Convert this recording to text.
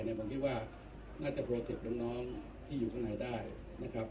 เนี่ยผมคิดว่าน่าจะโปรเต็ปน้องน้องที่อยู่ข้างในได้นะครับ